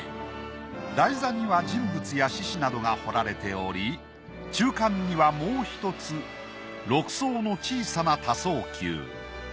台座には人物や獅子などが彫られており中間にはもう１つ６層の小さな多層球。